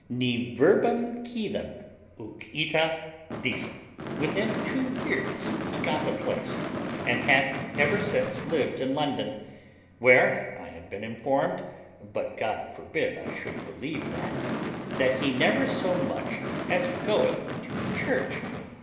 Ne verbum quidem, ut ita dicam: within two years he got a place, and hath ever since lived in London; where I have been informed (but God forbid I should believe that,) that he never so much as goeth to church.